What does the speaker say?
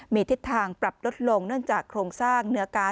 มีทิศทางปรับลดลงเนื่องจากโครงสร้างเนื้อการ